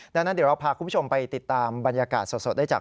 ดังนั้นเดี๋ยวเราพาคุณผู้ชมไปติดตามบรรยากาศสดได้จาก